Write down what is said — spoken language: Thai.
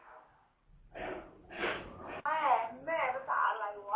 แม่แม่ประสาทอะไรวะ